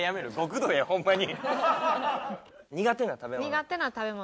苦手な食べ物？